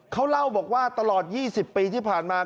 เขาเล่าบอกว่าตลอด๒๐ปีที่ผ่านมา